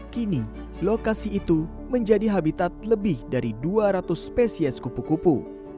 kini lokasi itu menjadi habitat lebih dari dua ratus spesies kupu kupu